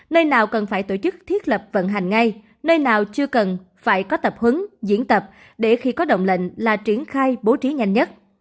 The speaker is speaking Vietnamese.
nơi nào cần phải tổ chức thiết lập vận hành ngay nơi nào chưa cần phải có tập hướng diễn tập để khi có động lệnh là triển khai bố trí nhanh nhất